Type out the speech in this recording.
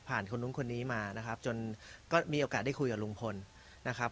คนนู้นคนนี้มานะครับจนก็มีโอกาสได้คุยกับลุงพลนะครับ